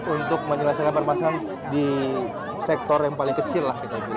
untuk menyelesaikan permasalahan di sektor yang paling kecil lah